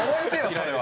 それは。